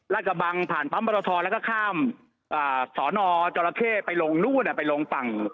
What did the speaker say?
กระบังผ่านปั๊มบรทรแล้วก็ข้ามสอนอจรเข้ไปลงนู่นไปลงฝั่ง